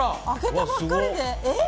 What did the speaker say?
開けたばっかりで？